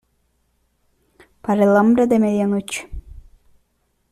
para el hambre de medianoche.